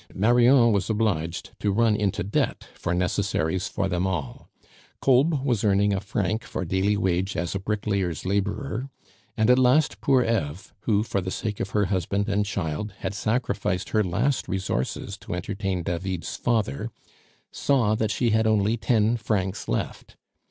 Marion was obliged to run into debt for necessaries for them all. Kolb was earning a franc for daily wage as a brick layer's laborer; and at last poor Eve, who, for the sake of her husband and child, had sacrificed her last resources to entertain David's father, saw that she had only ten francs left.